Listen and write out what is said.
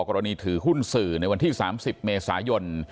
กรณีถือหุ้นสื่อในวันที่๓๐เมษายน